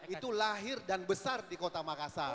itu lahir dan besar di kota makassar